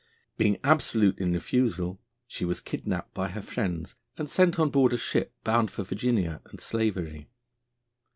Being absolute in refusal, she was kidnapped by her friends and sent on board a ship, bound for Virginia and slavery.